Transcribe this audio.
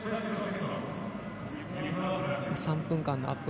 ３分間のアップ